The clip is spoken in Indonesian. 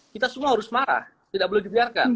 kita semua harus marah tidak boleh dibiarkan